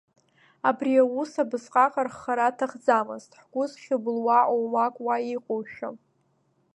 Абри аус абасҟак арххара аҭахӡамызт ҳгәы зхьыблуа оумак уа иҟоушәа…